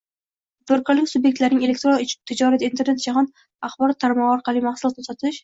tadbirkorlik subyektlarining elektron tijorat, Internet jahon axborot tarmog‘i orqali mahsulotni sotish